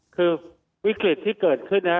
คือวิกฤตที่เกิดขึ้น